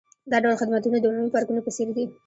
دا ډول خدمتونه د عمومي پارکونو په څیر دي